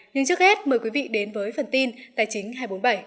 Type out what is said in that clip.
nhưng trước hết mời quý vị đến với phần tin tài chính hai trăm bốn mươi bảy